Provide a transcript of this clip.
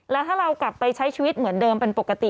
แล้วถ้าเรากลับไปใช้ชีวิตเหมือนเดิมเป็นปกติ